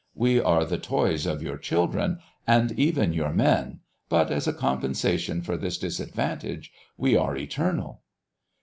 We are the toys of your children, and even your men, but as a compensation for this disadvantage we are eternal."